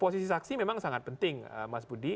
posisi saksi memang sangat penting mas budi